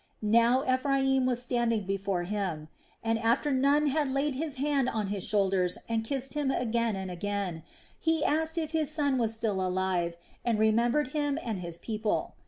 Now Ephraim was standing before him; and after Nun had laid his hand on his shoulders, and kissed him again and again, he asked if his son was still alive and remembered him and his people.